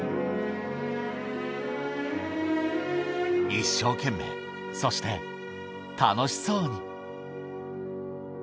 一生懸命そして楽しそうに